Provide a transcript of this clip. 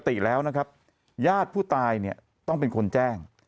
ปกติแล้วนะครับญาติผู้ตายเนี่ยต้องเป็นคนแจ้ง